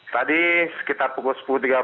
tadi sekitar pukul sepuluh tiga puluh bus bergerak